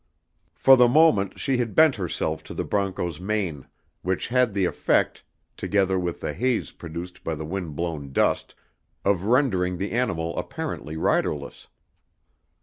For the moment she had bent herself to the broncho's mane, which had the effect, together with the haze produced by the wind blown dust, of rendering the animal apparently riderless.